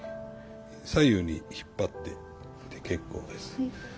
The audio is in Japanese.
左右に引っ張って結構です。